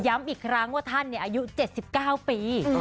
อีกครั้งว่าท่านอายุ๗๙ปี